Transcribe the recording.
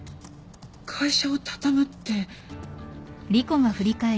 会社を畳むって。